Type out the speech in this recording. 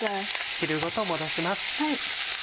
汁ごと戻します。